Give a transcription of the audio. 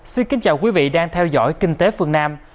xin kính chào quý vị đang theo dõi kinh tế phương nam